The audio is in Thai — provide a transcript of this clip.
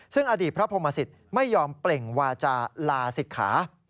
ซึ่งอดีตพระพรหมสิตไม่ยอมเปล่งวาจาลาศิกขา